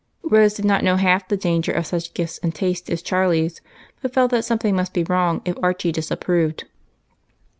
Rose did not know half the danger of such gifts and tastes as Charlie's, but felt instinctively that somethiag must be wrong if Archie disapproved.